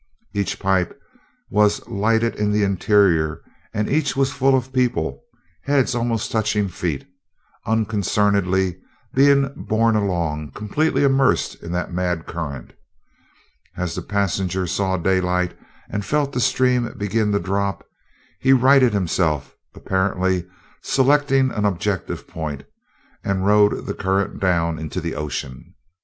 Each pipe was lighted in the interior, and each was full of people, heads almost touching feet, unconcernedly being borne along, completely immersed in that mad current. As the passenger saw daylight and felt the stream begin to drop, he righted himself, apparently selecting an objective point, and rode the current down into the ocean.